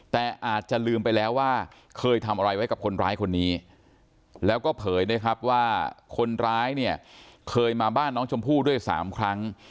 แต่อาจจะลืมไปแล้วว่าเคยทำอะไรไว้กับคนร้ายคนนี้แล้วก็เผยนะครับว่าคนร้ายเนี่ยเคยมาบ้านน้องชมพู่ด้วย๓ครั้ง